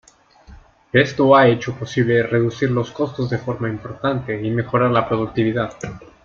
Esto ha hecho posible reducir los costos de forma importante, y mejorar la productividad.